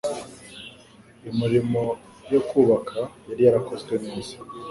Imirimo yo kubaka yari yarakozwe neza